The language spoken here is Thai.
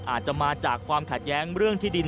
อาจจะมาจากความขัดแย้งเรื่องที่ดิน